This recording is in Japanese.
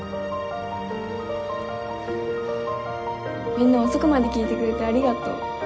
みんな遅くまで聞いてくれてありがとう。